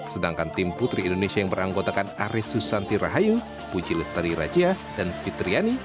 sedangkan tim putri indonesia yang beranggotakan ares susanti rahayu puji lestari raja dan fitriani